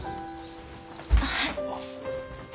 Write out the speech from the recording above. はい。